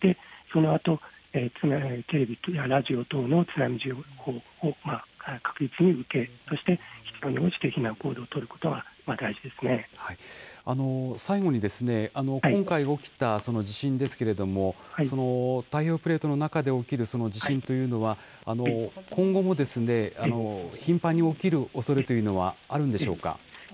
そのあと、テレビ、ラジオ等の津波情報を確実に受け、そして必要に応じて避難行動を取ることは大最後に、今回起きた地震ですけれども、太平洋プレートの中で起きる地震というのは、今後も頻繁に起きるおそれというのはあるんでしょうか。